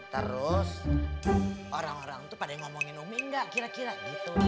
terus orang orang tuh pada ngomongin umi enggak kira kira gitu lho